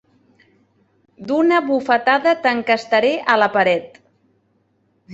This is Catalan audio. D'una bufetada t'encastaré a la paret!